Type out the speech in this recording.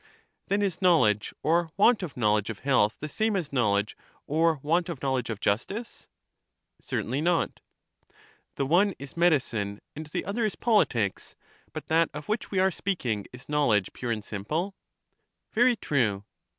Then is knowledge or want of knowledge of health the same as knowledge or want of knowledge of jus tice? Certainly not. The one is medicine, and the other is politics; but that of which we are speaking is knowledge pure and simple. Very true.